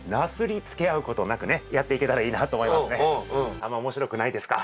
あんま面白くないですか？